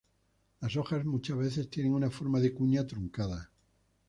Las hojas muchas veces tienen una forma de cuña truncada.